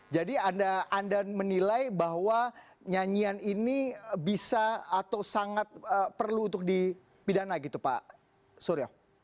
jadi anda menilai bahwa nyanyian ini bisa atau sangat perlu untuk dipidana gitu pak suryo